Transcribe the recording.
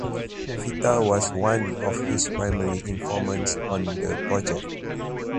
Fita was one of his primary informants on the project.